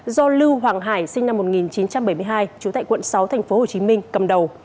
do lưu hoàng hải sinh năm một nghìn chín trăm bảy mươi hai trú tại quận sáu tp hcm cầm đầu